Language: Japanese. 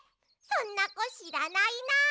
そんなこしらないな。